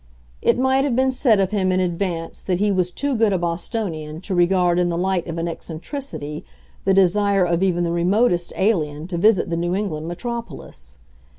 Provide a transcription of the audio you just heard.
It might have been said of him in advance that he was too good a Bostonian to regard in the light of an eccentricity the desire of even the remotest alien to visit the New England metropolis.